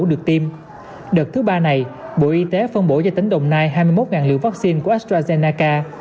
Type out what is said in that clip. đợt thứ ba này bộ y tế phân bổ cho tỉnh đồng nai hai mươi một liều vaccine của astrazennaca